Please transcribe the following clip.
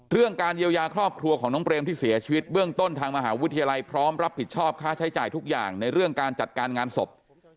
เรื่องการเยียวยาครอบครัวของน้องเปรมที่เสียชีวิตเบื้องต้นทางมหาวิทยาลัยพร้อมรับผิดชอบค่าใช้จ่ายทุกอย่างในเรื่องการจัดการงานศพ